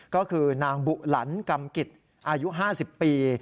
ก็คือนางบุหลันกรรมกิจอายุ๕๐ปี